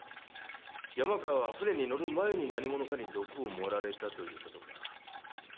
山川は船に乗る前に何者かに毒を盛られたということか。